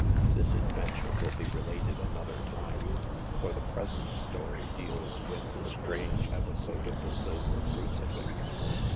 This adventure will be related another time, for the present story deals with the strange episode of the silver cru cifix.